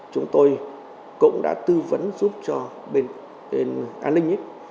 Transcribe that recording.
chúng tôi cũng đã tư vấn giúp cho bên an ninh